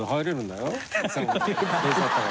よかったら。